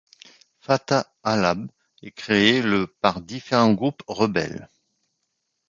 Fatah Halab est créée le par différents groupes rebelles.